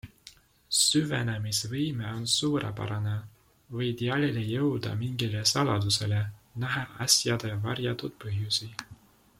Süvenemisvõime on suurepärane, võid jälile jõuda mingile saladusele, näha asjade varjatud põhjusi.